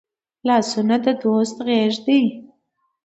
لاسونه د دوست غېږ دي